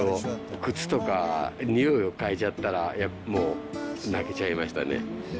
靴とか匂いを嗅いじゃったら、もう泣けちゃいましたね。